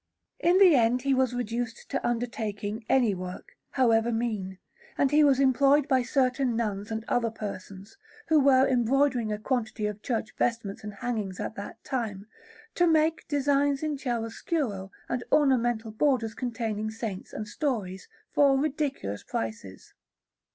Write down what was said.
In the end he was reduced to undertaking any work, however mean; and he was employed by certain nuns and other persons, who were embroidering a quantity of church vestments and hangings at that time, to make designs in chiaroscuro and ornamental borders containing saints and stories, for ridiculous prices.